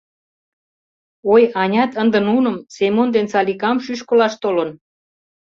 Ой, анят ынде нуным, Семон ден Саликам, шӱшкылаш толын.